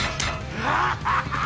アハハハハ！